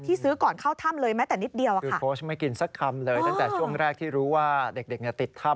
นี่แหละโค้ชเสียสละมาก